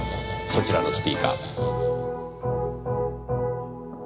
そちらのスピーカー。